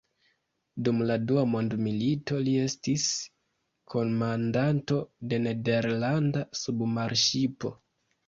Dum la Dua Mondmilito li estis komandanto de nederlanda submarŝipo.